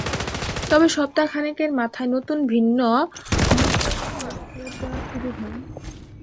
তবে সপ্তাহ খানেকের মাথায় নতুন ভিন্ন মূল্যমানের নোট ফেরত দেওয়া শুরু হয়।